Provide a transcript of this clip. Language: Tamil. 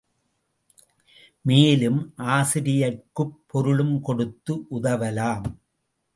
மேலும் ஆசிரியர்க்குப் பொருளும் கொடுத்து உதவலாம்.